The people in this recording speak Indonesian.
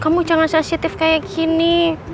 kamu jangan sensitif kayak gini